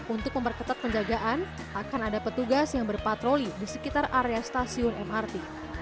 untuk memperketat penjagaan akan ada petugas yang berpatroli di sekitar area stasiun mrt